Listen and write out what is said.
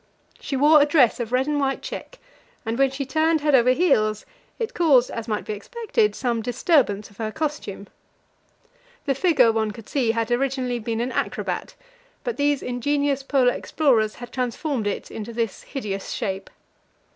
She wore a dress of red and white check, and when she turned head over heels it caused, as might be expected, some disturbance of her costume. The figure, one could see, had originally been an acrobat, but these ingenious Polar explorers had transformed it into this hideous shape.